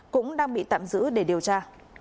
cũng đang bị tạm giữ để điều tra